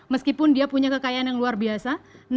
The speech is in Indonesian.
meskipun dia punya kekayaan yang luar biasa